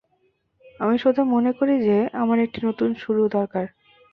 আমি শুধু মনে করি যে আমার একটি নতুন শুরু দরকার।